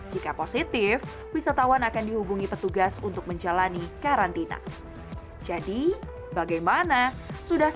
jika positif wisatawan akan dihubungi petugas untuk menjalani karantina jadi bagaimana sudah